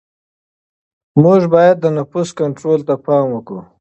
موږ باید د نفوس کنټرول ته پام وکړو.